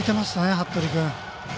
服部君。